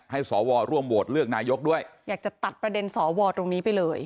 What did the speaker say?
สวร่วมโหวตเลือกนายกด้วยอยากจะตัดประเด็นสอวอตรงนี้ไปเลย